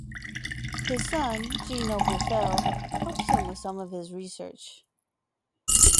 His son, G. Noble Fell, helped him with some of his research.